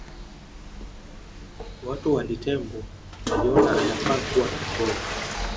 Watu wa Litembo waliona anafaa kuwa kiongozi